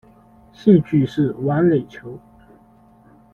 兴趣是玩垒球。